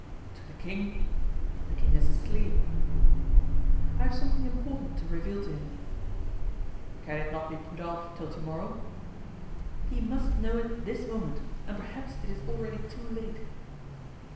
"To the king! but the king is asleep." "I have something important to reveal to him." "Can it not be put off till to morrow?" "He must know it this moment, and perhaps it is already too late."